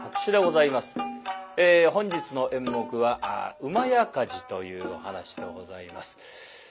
本日の演目は「火事」というお噺でございます。